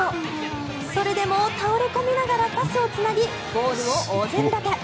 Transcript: それでも倒れ込みながらパスをつなぎゴールをお膳立て。